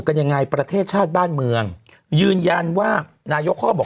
กันยังไงประเทศชาติบ้านเมืองยืนยันว่านายกเขาก็บอก